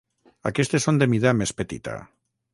Aquestes són de mida més petita.